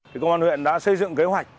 công an huyện đã xây dựng kế hoạch